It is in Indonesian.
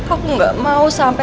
aku gak mau sampai